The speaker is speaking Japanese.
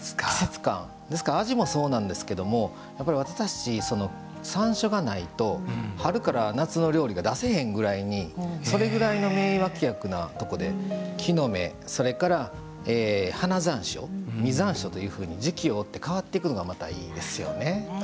ですから、味もそうなんですけど私たち、山椒がないと春から夏の料理が出せへんぐらいにそれぐらいの名脇役なところで木の芽、それから花山椒実山椒というふうに時期を追って変わっていくのがまたいいですよね。